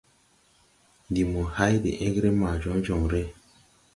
Ndi mo hay de egre ma jɔnjɔŋre.